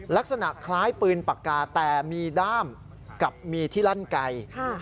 ลักษณะคล้ายปืนปากกาแต่มีด้ามกับมีที่ลั่นไก่